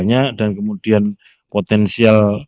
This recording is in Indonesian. yang tiga ribu tujuh ratus tiga puluh tiga kurangi enam puluh empat